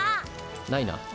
ないな。